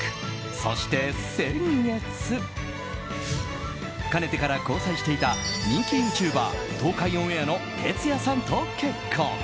そして先月かねてから交際していた人気ユーチューバー東海オンエアのてつやさんと結婚。